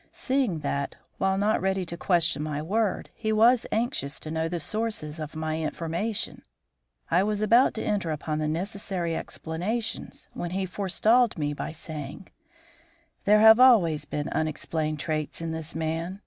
Seeing that, while not ready to question my word, he was anxious to know the sources of my information, I was about to enter upon the necessary explanations, when he forestalled me by saying: "There have always been unexplained traits in this man.